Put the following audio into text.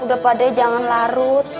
udah pak dea jangan larut